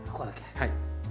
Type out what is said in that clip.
はい。